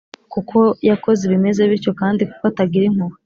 kuko yakoze ibimeze bityo kandi kuko atagira impuhwe.